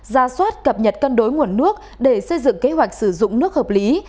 ra soát cập nhật cân đối nguồn nước để xây dựng kế hoạch sử dụng nước hợp lý